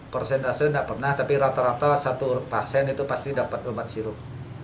persentase tidak pernah tapi rata rata satu pasien itu pasti dapat obat sirup